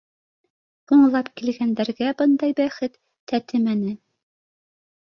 Һуңлап килгәндәргә бындай бәхет тәтемәне.